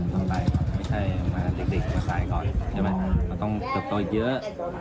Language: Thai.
ต้องตายก่อนไม่ใช่ติดต้องตายก่อนใช่ไหมต้องเกิดตัวเยอะ